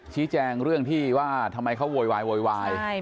ชี้แจงเรื่องที่ว่าทำไมเขาโวยวายโวยวาย